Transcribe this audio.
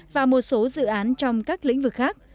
và một số dự án trong các lĩnh vực khác